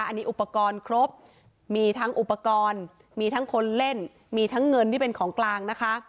อันนี้อุปกรณ์ครบมีทั้งอุปกรณ์มีทั้งคนเล่นมีทั้งเงินที่เป็นของกลางนะคะ